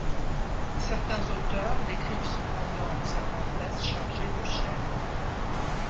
Certains auteurs décrivent cependant Cervantes chargé de chaînes.